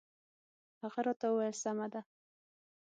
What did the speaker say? هغه راته وویل سمه ده.